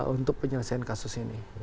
untuk penyelesaian kasus ini